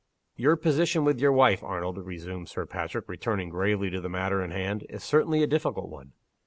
"Your position with your wife, Arnold," resumed Sir Patrick, returning gravely to the matter in hand, "is certainly a difficult one."